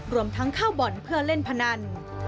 รวมทั้งเข้าบ่อนเพื่อเล่นพนัน